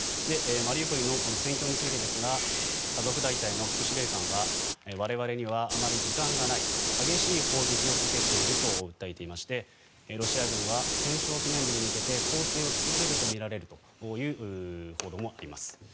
マリウポリの戦況についてですがアゾフ大隊の副司令官は我々にはあまり時間がない激しい砲撃を受けていると訴えていましてロシア軍は戦勝記念日に向けて攻勢を強めるとみられるという報道もあります。